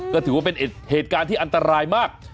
ก็ถือว่าเป็นเหตุการณ์ที่อันตรายมาก